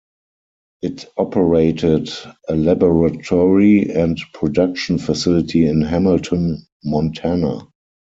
It operated a laboratory and production facility in Hamilton, Montana.